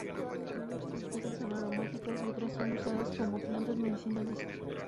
Muchas especies son aromáticas y otras son usadas como plantas medicinales.